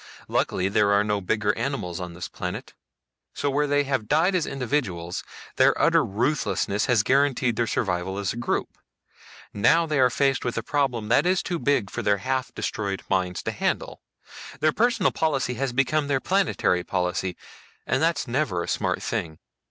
Luckily there are no bigger animals on this planet. So where they have died as individuals, their utter ruthlessness has guaranteed their survival as a group. Now they are faced with a problem that is too big for their half destroyed minds to handle. Their personal policy has become their planetary policy and that's never a very smart thing.